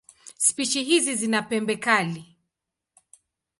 Spishi hizi zina pembe kali.